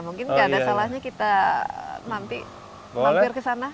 mungkin tidak ada salahnya kita mampir ke sana